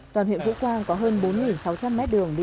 toàn huyện vũ quang có hơn bốn sáu trăm linh mét đường